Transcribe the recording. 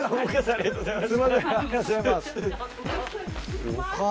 ありがとうございます。